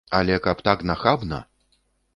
Але каб так нахабна!